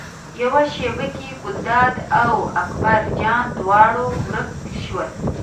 یوه شېبه کې ګلداد او اکبر جان دواړه ورک شول.